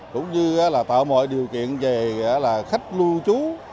cũng như là tạo mọi điều kiện về khách lưu trú